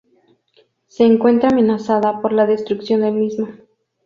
Se encuentra amenazada por la destrucción del mismo.